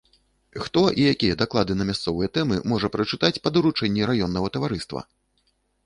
Хто і якія даклады на мясцовыя тэмы можа прачытаць па даручэнні раённага таварыства?